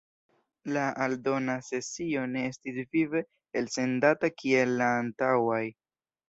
La aldona sesio ne estis vive elsendata kiel la antaŭaj.